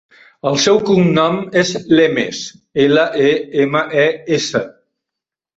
El seu cognom és Lemes: ela, e, ema, e, essa.